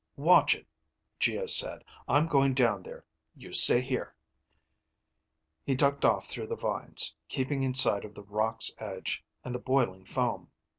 "Watch it," Geo said. "I'm going down there. You stay here." He ducked off through the vines, keeping in sight of the rocks' edge and the boiling foam.